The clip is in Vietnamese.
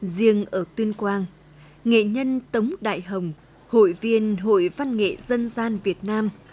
riêng ở tuyên quang nghệ nhân tống đại hồng hội viên hội văn nghệ dân gian việt nam